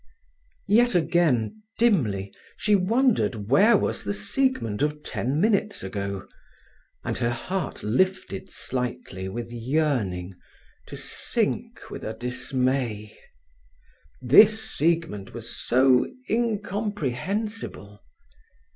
Yet again, dimly, she wondered where was the Siegmund of ten minutes ago, and her heart lifted slightly with yearning, to sink with a dismay. This Siegmund was so incomprehensible.